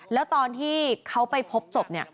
แล้วตอนที่เขาไปพบศพ